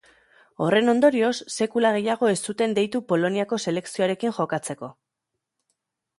Horren ondorioz, sekula gehiago ez zuten deitu Poloniako selekzioarekin jokatzeko.